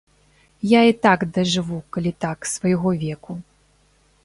Я і так дажыву, калі так, свайго веку.